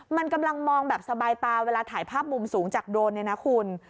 มันกำลังมองแบบสบายตาเวลาถ่ายภาพมุมสูงจากโดรนเนี่ยนะคุณ